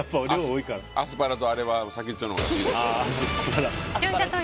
アスパラとあれは先っちょのほうが好きです。